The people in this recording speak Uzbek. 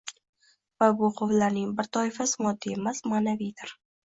va bu g‘ovlarning bir toifasi moddiy emas, ma’naviydir.